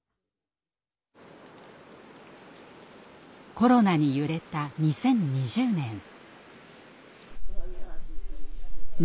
コロナに揺れた２０２０年。